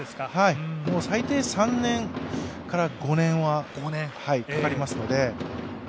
最低３年から５年はかかりますので。